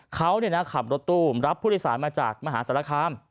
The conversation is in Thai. เขาขับรถตู้รับผู้โดยสารมาจากมหาศาลคาม